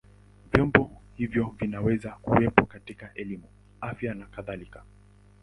Vyombo hivyo vinaweza kuwepo katika elimu, afya na kadhalika.